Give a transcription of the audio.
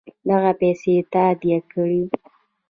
دغه پیسې تادیه کړي.